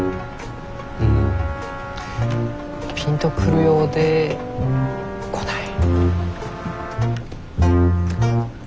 うんピンとくるようでこない。